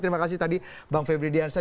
terima kasih tadi bang febri diansyah